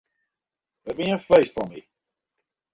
It wie in feest foar my.